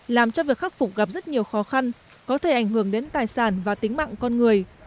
làm cho việc khắc phục gặp rất nhiều khó khăn có thể ảnh hưởng đến tài sản và tính mạng con người